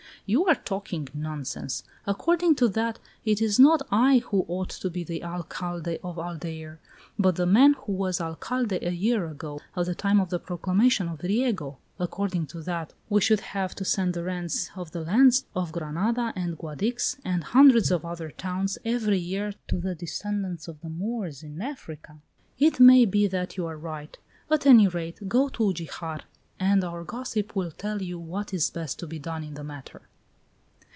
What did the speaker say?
"You are talking nonsense. According to that, it is not I who ought to be the Alcalde of Aldeire, but the man who was Alcalde a year ago, at the time of the proclamation of Riego. According to that, we should have to send the rents of the lands of Granada and Guadix, and hundreds of other towns, every year to the descendants of the Moors in Africa." "It may be that you are right. At any rate, go to Ugijar, and our gossip will tell you what is best to be done in the matter."